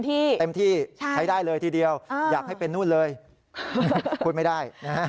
เต็มที่ใช้ได้เลยทีเดียวอยากให้เป็นนู่นเลยพูดไม่ได้นะฮะ